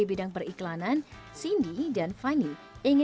proses pemesanannya sederhana